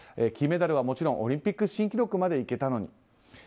金メダルはもちろんオリンピック新記録までいけたのに。